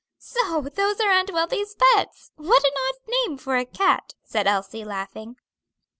"So those are Aunt Wealthy's pets. What an odd name for a cat," said Elsie, laughing.